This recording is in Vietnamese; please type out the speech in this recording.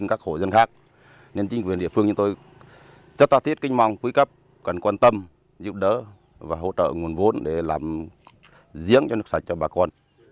cần quan tâm giúp đỡ và hỗ trợ nguồn vốn để làm riêng cho nước sạch cho bà con